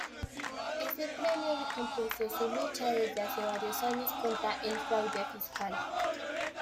Ese premio recompensó su lucha desde hace varios años contra el fraude fiscal.